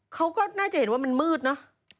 เขาก็น่าจะเห็นว่ามันมืดเนอะ